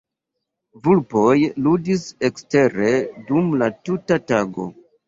Vulpoj ludis ekstere dum la tuta tago.